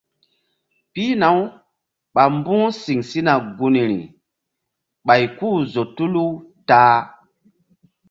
Pihna- uɓa mbu̧h siŋ sina gunri ɓay ku-u zo tulu ta-a.